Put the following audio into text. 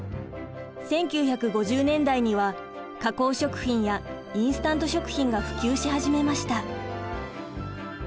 １９５０年代には加工食品やインスタント食品が普及し始めました。